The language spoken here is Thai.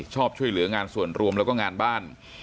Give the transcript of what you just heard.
ชอบช่วยเหลืองานส่วนรวมแล้วก็งานบ้าน